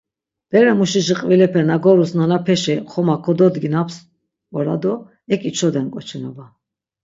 Berepe muşişi qvilepe na gorups nanapeşi xoma kododginaps ora do ek içoden k̆oçinoba.